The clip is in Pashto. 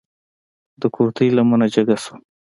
د کورتۍ لمنه جګه شوه.